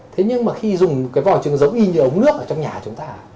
thế nhưng mà khi dùng cái vỏ trứng giống y như ống nước ở trong nhà chúng ta